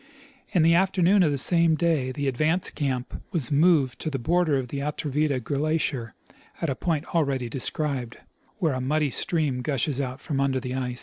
In the afternoon of the same day the advance caiiip was moved to the border of the Atrevida glacier at a point already described, where a muddy stream gushes out from under the ice.